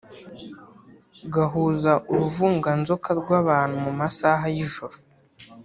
gahuza uruvunganzoka rw’abantu mu masaha y’ijoro